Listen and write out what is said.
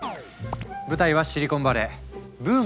舞台はシリコンバレー。